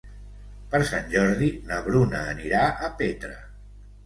Per Sant Jordi na Bruna anirà a Petra.